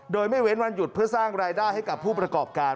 โดยไม่เว้นวันหยุดเพื่อสร้างรายได้ให้กับผู้ประกอบการ